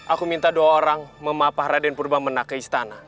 aku minta doa orang memapah raden purba menang ke istana